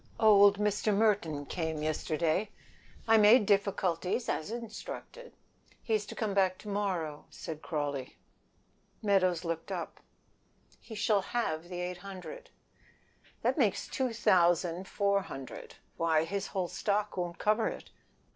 "Old Mr. Merton came yesterday. I made difficulties as instructed. Is to come to morrow." "He shall have the eight hundred." "That makes two thousand four hundred; why, his whole stock won't cover it."